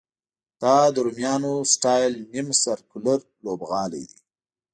دا د رومیانو سټایل نیم سرکلر لوبغالی دی.